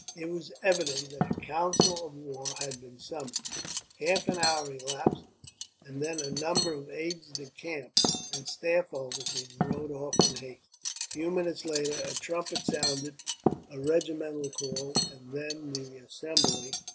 It was evident that a council of war had been summoned. Half an hour elapsed, and then a number of aides de camp and staff officers rode off in haste. A few minutes later, a trumpet sounded a regimental call, and then the assembly.